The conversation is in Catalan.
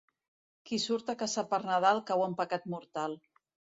Qui surt a caçar per Nadal cau en pecat mortal.